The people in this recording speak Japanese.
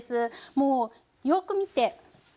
もうよく見て。